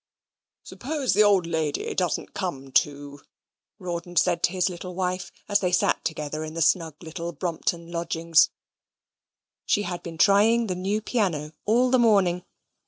"Suppose the old lady doesn't come to," Rawdon said to his little wife, as they sate together in the snug little Brompton lodgings. She had been trying the new piano all the morning.